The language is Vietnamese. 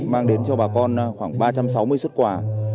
mang đến cho bà con khoảng ba trăm sáu mươi xuất quà